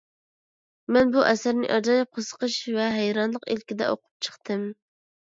مەن بۇ ئەسەرنى ئاجايىپ قىزىقىش ۋە ھەيرانلىق ئىلكىدە ئوقۇپ چىقتىم.